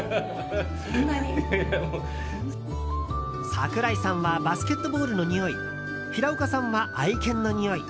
桜井さんはバスケットボールのにおい平岡さんは愛犬のにおい。